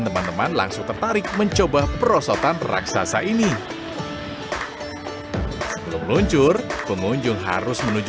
teman teman langsung tertarik mencoba perosotan raksasa ini belum luncur pengunjung harus menuju